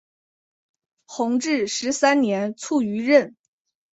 弘治十三年卒于任。